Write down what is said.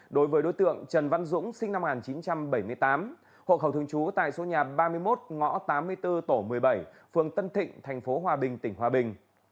đối với đối tượng trần văn dũng sinh năm một nghìn chín trăm bảy mươi tám hộ khẩu thường trú tại số nhà ba mươi một ngõ tám mươi bốn tổ một mươi bảy phường tân thịnh tp hòa bình tỉnh hòa bình